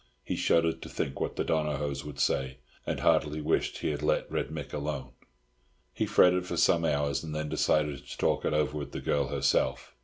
He shuddered to think what the Donohoes would say, and heartily wished he had let Red Mick alone. He fretted for some hours, and then decided to talk it over with the girl herself.